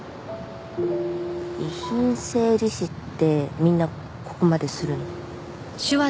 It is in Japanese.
遺品整理士ってみんなここまでするの？